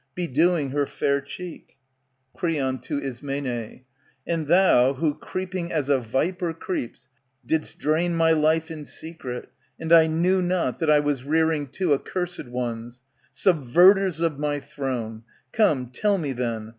Bedewing her fair cheek. ^^ Creon. [To Ismene.] And thou who, creeping as a viper creeps, Did'st drain my life in secret, and I knew not That I was rearing two accursed ones, Subverters of my throne, — come, tell me, then.